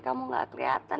kamu gak kelihatan